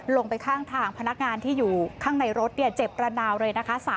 ลงไปข้างทางพนักงานที่อยู่ข้างในรถเจ็บระนาวเลยนะคะ